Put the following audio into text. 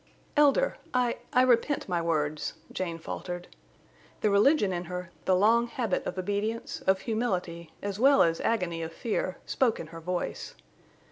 "Elder, I—I repent my words," Jane faltered. The religion in her, the long habit of obedience, of humility, as well as agony of fear, spoke in her voice.